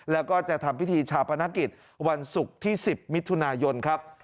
แล้วก็จะทำพิธีชาปนกิจวันศุกร์ที่๑๐มิถุนายนครับ